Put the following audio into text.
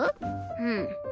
うん。